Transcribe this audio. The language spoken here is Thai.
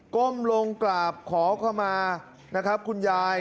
ก้มลงกราบขอเข้ามานะครับคุณยาย